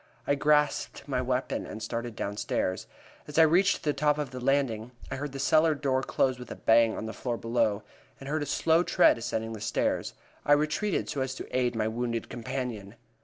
I grasped my weapon and started downstairs. As I reached the top of the landing, I heard the cellar door close with a bang on the floor below, and heard a slow tread ascending the stairs. I retreated, so as to aid my wounded companion.